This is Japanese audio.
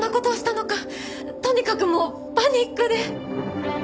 とにかくもうパニックで。